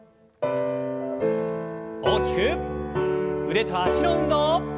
腕と脚の運動。